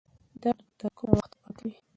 درد به تر کومه وخته پاتې وي؟